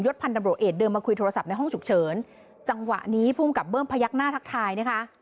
พันธบรวจเอกเดินมาคุยโทรศัพท์ในห้องฉุกเฉินจังหวะนี้ภูมิกับเบิ้มพยักหน้าทักทายนะคะ